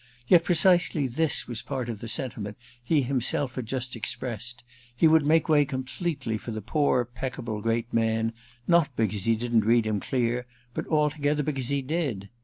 Yet precisely this was part of the sentiment he himself had just expressed: he would make way completely for the poor peccable great man not because he didn't read him clear, but altogether because he did.